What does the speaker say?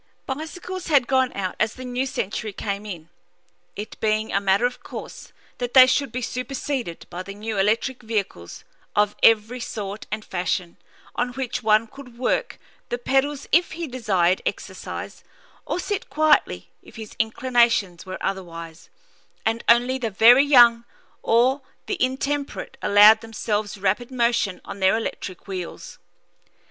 Bicycles had gone out as the new century came in, it being a matter of course that they should be superseded by the new electric vehicles of every sort and fashion, on which one could work the pedals if he desired exercise, or sit quietly if his inclinations were otherwise, and only the very young or the intemperate allowed themselves rapid motion on their electric wheels.